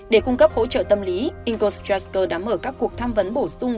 để cung cấp hỗ trợ tâm lý ecostrasker đã mở các cuộc tham vấn bổ sung